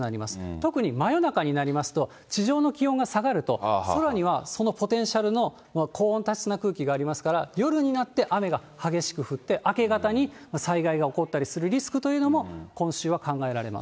特に真夜中になりますと、地上の気温が下がると、空にはそのポテンシャルの高温多湿な空気がありますから、夜になって雨が激しく降って、明け方に災害が起こったりするリスクというのも、今週は考えられます。